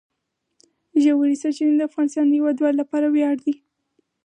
ژورې سرچینې د افغانستان د هیوادوالو لپاره ویاړ دی.